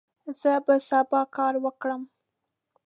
زه به سبا کار وکړم.